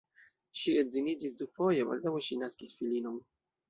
Ŝi edziniĝis dufoje, baldaŭe ŝi naskis filinon.